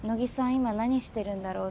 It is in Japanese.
今何してるんだろう？